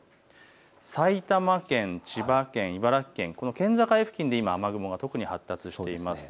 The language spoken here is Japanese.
埼玉県、千葉県、茨城県、県境付近で雨雲が発達しています。